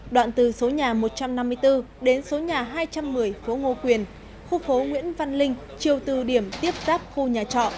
đoạn từ số nhà một trăm năm mươi bốn đến số nhà hai trăm một mươi phố ngô quyền khu phố nguyễn văn linh chiều từ điểm tiếp giáp khu nhà trọ